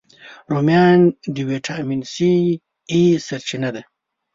رومیان د ویټامین A، C سرچینه ده